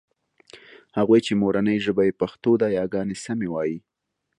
هغوی چې مورنۍ ژبه يې پښتو ده یاګانې سمې وايي